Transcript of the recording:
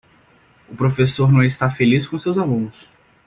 O professor não está feliz com seus alunos.